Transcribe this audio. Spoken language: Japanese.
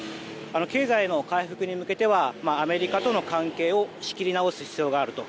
経済の回復に向けてはアメリカとの関係を仕切り直す必要があると。